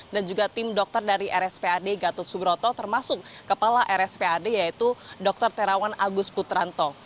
dan juga tim dokter dari rspad gatot subroto termasuk kepala rspad yaitu dr terawan agus putranto